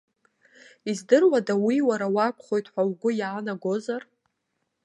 Издыруада уи уара уакәхоит ҳәа угәы иаанагозар?